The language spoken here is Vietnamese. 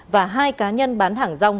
và hai cá nhân bán hàng rong